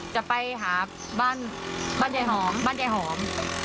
จะไปหาบ้านบ้านยายหอม